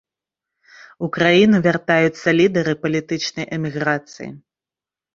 У краіну вяртаюцца лідары палітычнай эміграцыі.